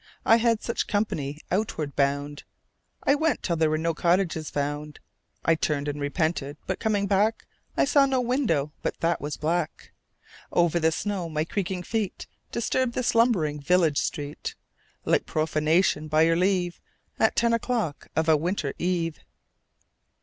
I had such company outward bound. I went till there were no cottages found. I turned and repented, but coming back I saw no window but that was black. Over the snow my creaking feet Disturbed the slumbering village street Like profanation, by your leave, At ten o'clock of a winter eve.